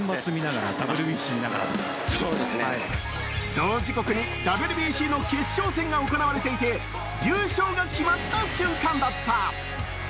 同時刻にＷＢＣの決勝戦が行われていて優勝が決まった瞬間だった。